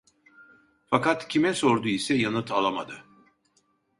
Fakat kime sordu ise yanıt alamadı.